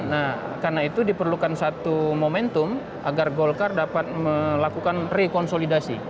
nah karena itu diperlukan satu momentum agar golkar dapat melakukan rekonsolidasi